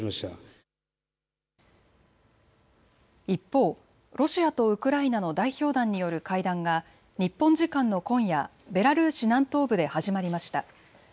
一方ロシアとウクライナの代表団による会談が日本時間の今夜、ベラルーシ南東部で始まりました。